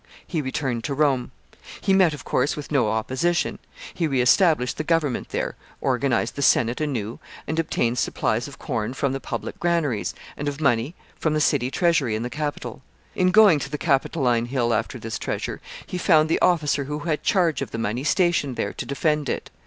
He returned to Rome. He met, of course, with no opposition. He re established the government there, organized the Senate anew, and obtained supplies of corn from the public granaries, and of money from the city treasury in the Capitol. In going to the Capitoline Hill after this treasure, he found the officer who had charge of the money stationed there to defend it.